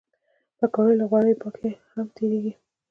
پکورې له غوړیو پاکې هم تیارېږي